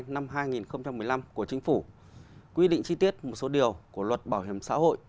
năm hai nghìn một mươi năm của chính phủ quy định chi tiết một số điều của luật bảo hiểm xã hội